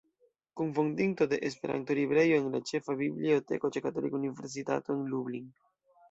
Kunfondinto de Esperanto Librejo en la Ĉefa Biblioteko ĉe Katolika Universitato en Lublin.